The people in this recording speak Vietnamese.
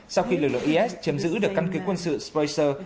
sau khi lực lượng is chiếm giữ được căn cứ quân sự spraser